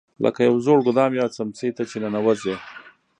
لکه یو زوړ ګودام یا څمڅې ته چې ننوځې.